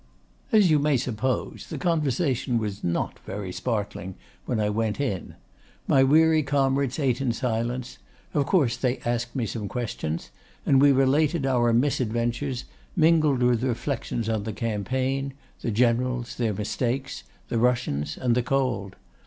"As you may suppose the conversation was not very sparkling when I went in. My weary comrades ate in silence; of course, they asked me some questions, and we related our misadventures, mingled with reflections on the campaign, the generals, their mistakes, the Russians, and the cold.